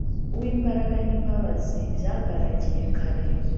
Uw’ imbaraga n’ imbabazi byagaragiye kare,